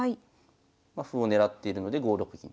歩をねらっているので５六銀。